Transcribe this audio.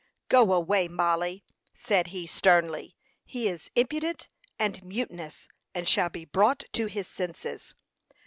"Go away, Mollie," said he, sternly. "He is impudent and mutinous, and shall be brought to his senses."